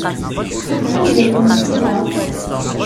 Anda-tent tiyaḍ?